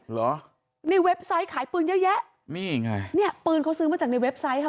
เหรอในเว็บไซต์ขายปืนเยอะแยะนี่ไงเนี่ยปืนเขาซื้อมาจากในเว็บไซต์ค่ะ